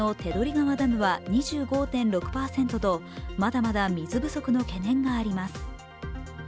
川ダムは２５．６％とまだまだ水不足の懸念があります。